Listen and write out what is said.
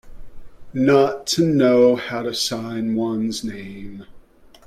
Not to know how to sign one's name.